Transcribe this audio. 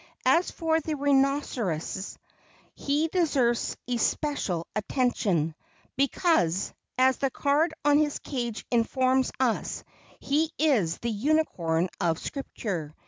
As for the rhinoceros, he deserves especial attention, because, as the card on his cage informs us, he is the unicorn of Scripture.